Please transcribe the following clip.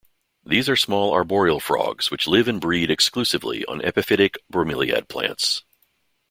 These are small arboreal frogs which live and breed exclusively on epiphytic bromeliad plants.